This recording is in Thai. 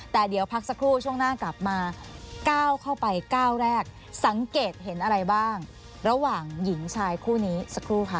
แต่เดี๋ยวพักสักครู่ช่วงหน้ากลับมาก้าวเข้าไปก้าวแรกสังเกตเห็นอะไรบ้างระหว่างหญิงชายคู่นี้สักครู่ค่ะ